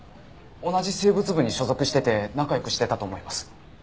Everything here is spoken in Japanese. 同じ生物部に所属してて仲良くしてたと思います。